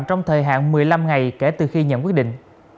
trong thời hạn một mươi năm ngày kể từ khi nhận quyết định